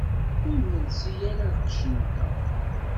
Ur nelsi ara lqecc-nteɣ.